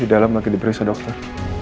di dalam lagi di perisai dokter